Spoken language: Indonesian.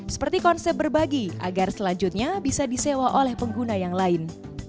seperti konsep berbagi agar selanjutnya bisa disewa oleh pengguna yang lain